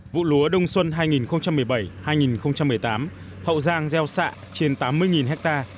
vụ lúa đông xuân hai nghìn một mươi bảy hai nghìn một mươi tám hậu giang gieo xạ trên tám mươi ha